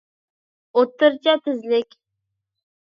ئوتتۇرىچە تېزلىك